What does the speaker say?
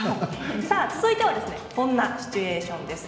続いてはこんなシチュエーションです。